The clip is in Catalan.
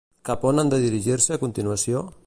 Cap on han de dirigir-se a continuació?